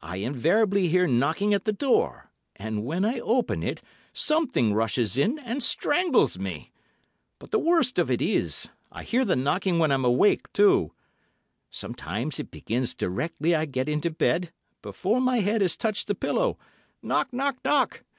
I invariably hear knocking at the door, and when I open it, something rushes in and strangles me. But the worst of it is, I hear the knocking when I'm awake, too. Sometimes it begins directly I get into bed, before my head has touched the pillow. Knock, knock, knock!